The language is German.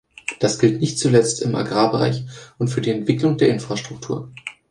Das gilt nicht zuletzt im Agrarbereich und für die Entwicklung der Infrastruktur.